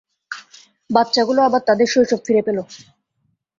বাচ্চাগুলো আবার তাদের শৈশব ফিরে পেলো।